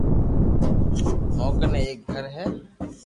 مون ڪني ايڪ گھر ھي